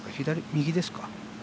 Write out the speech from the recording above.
右ですか？